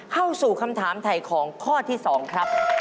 เข้าสู่คำถามถ่ายของข้อที่๒ครับ